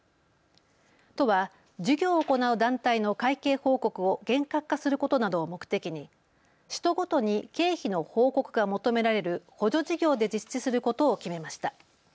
都は事業を行う団体の会計報告を厳格化することなどを目的に使途ごとに経費の報告が求められる補助事業で実施することを決めました。